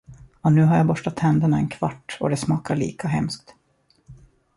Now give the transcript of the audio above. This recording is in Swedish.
Och nu har jag borstat tänderna en kvart och det smakar lika hemskt.